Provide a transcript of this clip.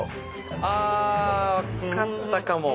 あ分かったかも。